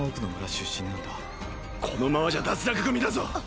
このままじゃ脱落組だぞ！